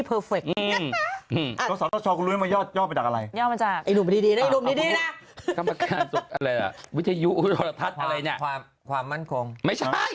อีกดีดีเลยดูดีดีดีอะไรวิทยุกธรรมทัศน์อะไรเนี่ยความมั่นคงไม่ใช่